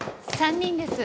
３人です。